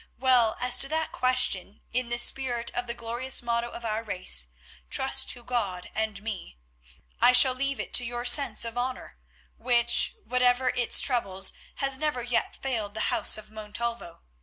Well, as to that question, in the spirit of the glorious motto of our race, 'Trust to God and me,' I shall leave it to your sense of honour, which, whatever its troubles, has never yet failed the house of Montalvo.